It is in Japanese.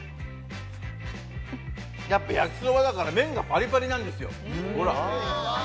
焼きそばだから麺がパリパリなんですよ。